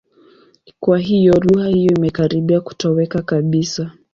Kwa hiyo, lugha hiyo imekaribia kutoweka kabisa.